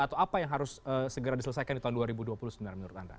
atau apa yang harus segera diselesaikan di tahun dua ribu dua puluh sebenarnya menurut anda